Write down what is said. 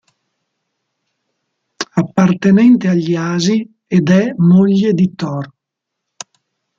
Appartenente agli Asi ed è moglie di Thor.